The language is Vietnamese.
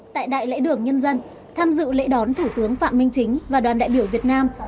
tại đại lễ đường nhân dân tham dự lễ đón thủ tướng phạm minh chính và đoàn đại biểu việt nam